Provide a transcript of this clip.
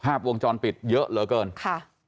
ภาพวงจรปิดเยอะเหลือเกินค่ะ